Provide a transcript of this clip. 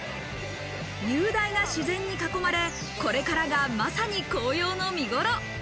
雄大な自然に囲まれ、これからがまさに紅葉の見頃。